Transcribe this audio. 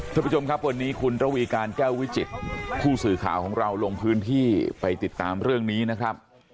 ท่านผู้ชมครับวันนี้คุณระวีการแก้ววิจิตผู้สื่อข่าวของเราลงพื้นที่ไปติดตามเรื่องนี้นะครับ